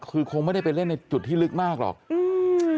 คือคงไม่ได้ไปเล่นในจุดที่ลึกมากหรอกอืม